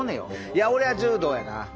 いや俺は柔道やな。